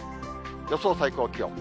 予想最高気温。